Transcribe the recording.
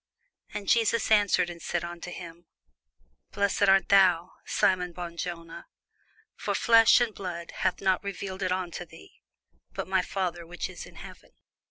And Jesus answered and said unto him, Blessed art thou, Simon Bar jona: for flesh and blood hath not revealed it unto thee, but my Father which is in heaven.